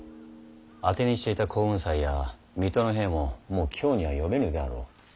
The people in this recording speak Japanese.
当てにしていた耕雲斎や水戸の兵ももう京には呼べぬであろう。